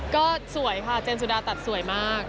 ก็สวยค่ะเจนสุดาตัดสวยมาก